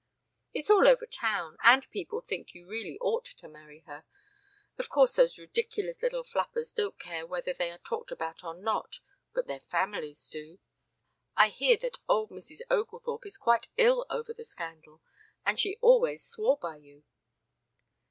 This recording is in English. "It's all over town, and people think you really ought to marry her. Of course those ridiculous little flappers don't care whether they are talked about or not, but their families do. I hear that old Mrs. Oglethorpe is quite ill over the scandal, and she always swore by you."